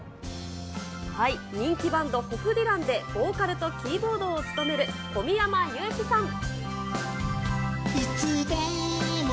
人気バンド、ホフディランで、ボーカルとキーボードを務める小宮山雄飛さん。